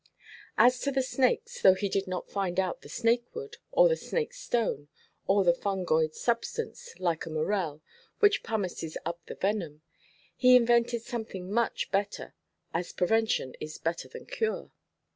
As to the snakes, though he did not find out the snake–wood, or the snake–stone, or the fungoid substance, like a morel, which pumices up the venom; he invented something much better, as prevention is better than cure.